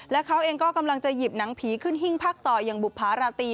และเขาเองก็กำลังจะหยิบหนังผีขึ้นหิ้งพักต่ออย่างบุภาราตี